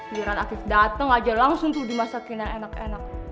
biar alvis dateng aja langsung tuh dimasakin yang enak enak